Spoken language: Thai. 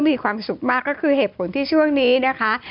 มีความสุขมากก็คือเหตุผลที่ช่วงนี้นะคะ